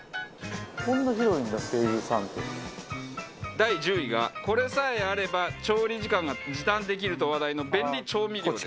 第１０位がこれさえあれば調理時間が時短できると話題の便利調味料です。